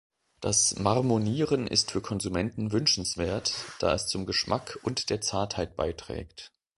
Das Marmonieren ist für Konsumenten wünschenswert, da es zum Geschmack und der Zartheit beiträgt.